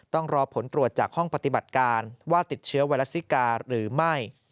ต้องรอผลตรวจจากห้องปฏิบัติการว่าติดเชื้อไวรัสซิกาหรือไม่